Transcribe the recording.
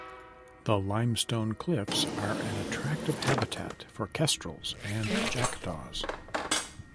The limestone cliffs are an attractive habitat for kestrels and jackdaws.